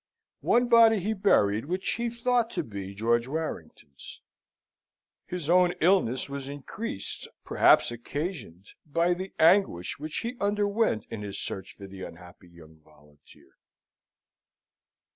One body he buried which he thought to be George Warrington's. His own illness was increased, perhaps occasioned, by the anguish which he underwent in his search for the unhappy young volunteer.